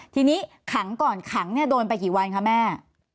ทีนี้ขังก่อนขังเนี่ยโดนไปกี่วันคะแม่